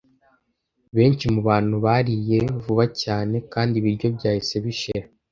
Benshi mubantu bariye vuba cyane kandi ibiryo byahise bishira.